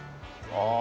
ああ。